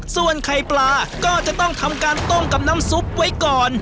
ส่วนไข่ปลาก็จะต้องทำการต้มกับน้ำซุปไว้ก่อน